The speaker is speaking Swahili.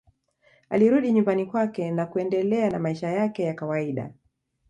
Alirudi nyumbani kwake na kuendelea na maisha yake ya kawaida